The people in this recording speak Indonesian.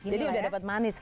jadi udah dapat manis